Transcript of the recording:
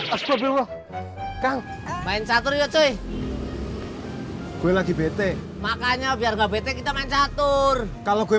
astaghfirullah main satu riusi gue lagi bete makanya biar bete kita mencatur kalau gue